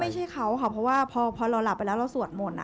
ไม่ใช่เขาค่ะเพราะว่าพอเราหลับไปแล้วเราสวดมนต์